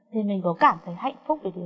thì mình có cảm thấy hạnh phúc